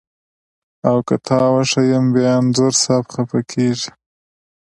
او که تا وښیم بیا انځور صاحب خپه کږي.